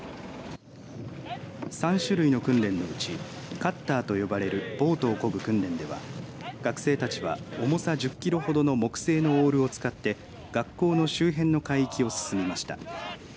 ３種類の訓練のうちカッターと呼ばれるボートをこぐ訓練では学生たちは重さ１０キロほどの木製のオールを使って学校の周辺の海域を進みました。